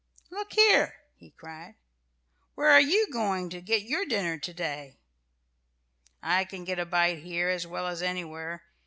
"Look here!" he cried, "where are you going to get your dinner to day?" "I can get a bite here as well as anywhere.